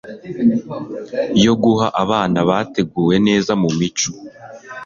yo guha abana bateguwe neza mu mico